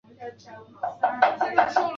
插画由画家亚沙美负责。